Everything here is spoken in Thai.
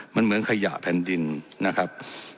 มันเหมือนขยะแผ่นดินนะครับ